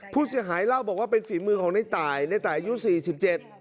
ผู้เสียหายเล่าบอกว่าเป็นฝีมือของในตายในตายอายุสี่สิบเจ็ด